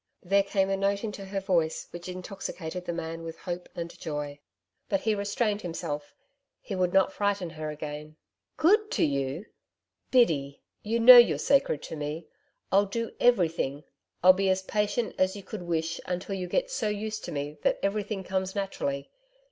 There came a note into her voice which intoxicated the man with hope and joy. But he restrained himself. He would not frighten her again. 'Good to you! Biddy you know you're sacred to me I'll do everything I'll be as patient as you could wish until you get so used to me that everything comes naturally.